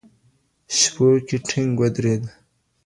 شپو کي ټینګ ودرېد